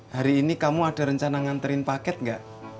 hari ini kamu ada rencana nganterin paket nggak